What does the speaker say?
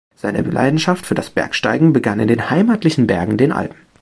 Seine Leidenschaft für das Bergsteigen begann in den heimatlichen Bergen, den Alpen.